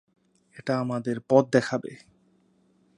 এটা আমাদের পথ দেখাবে।